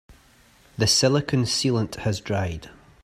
The silicon sealant has dried.